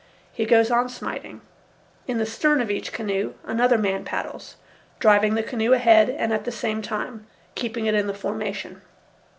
He goes on smiting. In the stern of each canoe another man paddles, driving the canoe ahead and at the same time keeping it in the formation.